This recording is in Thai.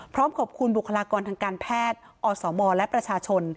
พร้อมขอบคุณบุคลากรทางการแพทย์อสมและประชาชน